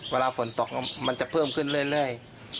เวลาฝนตกมันจะเพิ่มขึ้นเรื่อย